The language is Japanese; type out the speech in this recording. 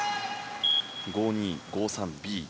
５２５３Ｂ。